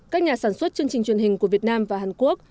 các nhà sản xuất chương trình truyền hình của việt nam và hàn quốc